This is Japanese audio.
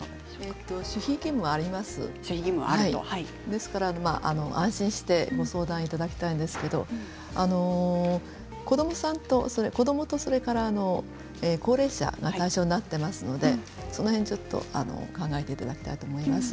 ですから安心してご相談いただきたいんですけど子どもとそれから高齢者が対象になっていますのでその辺を考えていただきたいと思います。